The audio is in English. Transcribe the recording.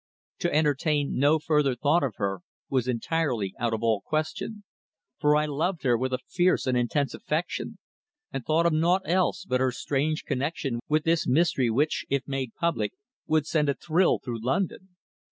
To entertain no further thought of her was entirely out of all question, for I loved her with a fierce and intense affection, and thought of nought else but her strange connexion with this mystery which, if made public, would send a thrill through London.